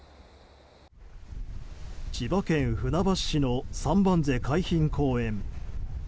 千葉県船橋市の三番瀬海浜公園。